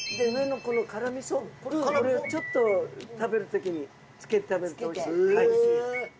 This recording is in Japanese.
これをちょっと食べる時につけて食べるとおいしいです。